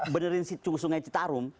benerin sungai citarum